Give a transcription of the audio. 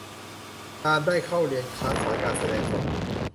ฉันได้เข้าเรียนคลาสสอนการแสดงสด